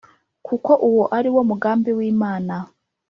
Kuko uwo ari wo mugambi w imana